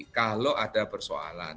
kalau ada persoalan